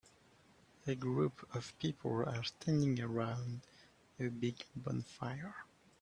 A group of people are standing around a big bonfire.